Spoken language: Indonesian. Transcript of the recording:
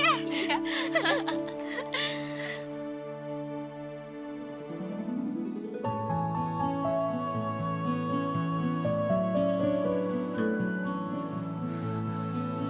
oh ini dia